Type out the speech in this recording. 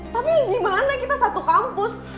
tapi gimana kita satu kampus